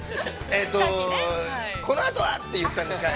◆えっと、このあとは、って言ったんですが。